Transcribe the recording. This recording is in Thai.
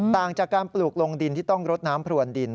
ต่างจากการปลูกลงดินที่ต้องรดน้ำพรวนดิน